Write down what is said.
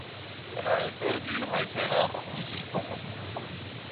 Han ejede både dyre højttalere og hovedtelefoner.